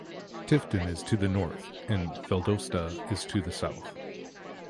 Tifton is to the north, and Valdosta is to the south.